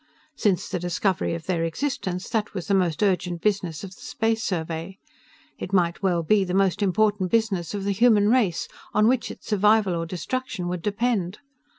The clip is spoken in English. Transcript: Since the discovery of their existence, that was the most urgent business of the Space Survey. It might well be the most important business of the human race on which its survival or destruction would depend.